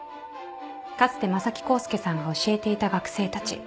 かつて正木浩介さんが教えていた学生たち。